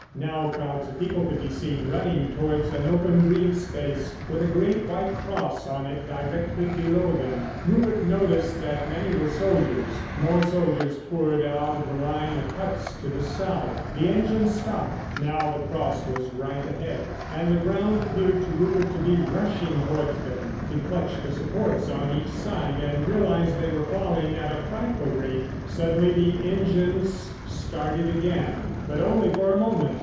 Now crowds of people could be seen running towards an open green space with a great white cross on it, directly below them. Rupert noticed that many were soldiers. More soldiers poured out of the line of huts to the south. The engine stopped. Now the cross was right ahead, and the ground appeared to Rupert to be rushing towards them. He clutched the supports on each side and realised they were falling at a frightful rate. Suddenly the engines started again—but only for a moment.